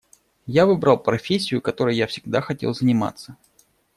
Я выбрал профессию, которой я всегда хотел заниматься.